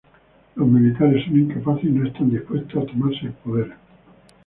Los militares son incapaces y no están dispuestos a tomarse el poder.